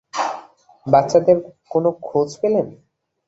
বাচ্চাদের কোনো খোঁজ পেলেন?